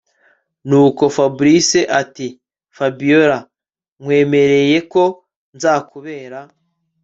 Nuko Fabric atiFabiora nkwemereye ko nzakubera